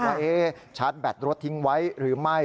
ว่าชาร์จแบตรถทิ้งไว้หรือไม่